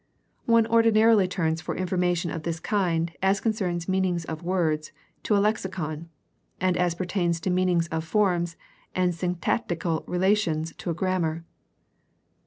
One ordinarily turns for information of this kind as concerns meanings of words to a lexicon, and as pertains to meanings of forms and syntactical relations to a grammar.